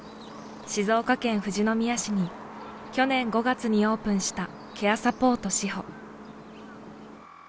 静岡県富士宮市に去年５月にオープンしたケアサポート志保。